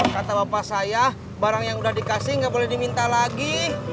kata bapak saya barang yang sudah dikasih nggak boleh diminta lagi